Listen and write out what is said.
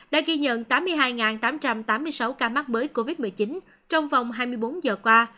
đã ghi nhận tám mươi hai tám trăm tám mươi sáu ca mắc mới covid một mươi chín trong vòng hai mươi bốn giờ qua